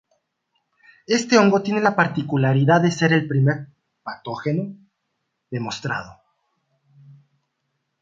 Este hongo tiene la particularidad de ser el primer "patógeno" demostrado.